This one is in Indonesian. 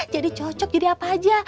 jadi cocok jadi apa aja